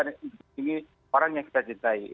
dan melindungi orang yang kita cintai